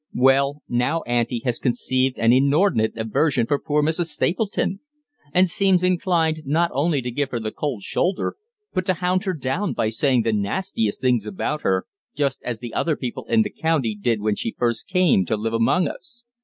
Well, now Auntie has conceived an inordinate aversion for poor Mrs. Stapleton, and seems inclined not only to give her the cold shoulder, but to hound her down by saying the nastiest things about her, just as the other people in the county did when she first came to live among us.